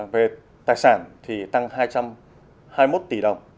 về tài sản thì tăng hai trăm hai mươi một tỷ đồng